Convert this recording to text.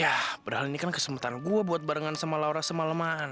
yah berhal ini kan kesempatan gua buat barengan sama laura semaleman